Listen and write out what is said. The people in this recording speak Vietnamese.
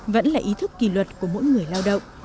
vẫn là ý thức kỳ luật của mỗi người lao động